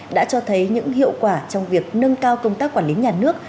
đã cho thấy những hiệu quả trong việc nâng cao công tác quản lý nhà nước